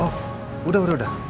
oh udah udah udah